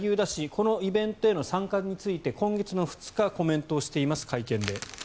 このイベントへの参加について今月２日会見でコメントをしています。